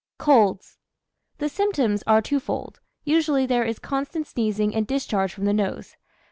COLDS. The symptoms are twofold, usually there is constant sneezing and discharge from the nose.